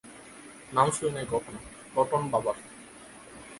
নাম শুনি নাই কখনো, প্লটন বাবার।